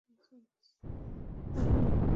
Summer madam, আপনি বাচ্চাটাকে দত্তক নিচ্ছেন?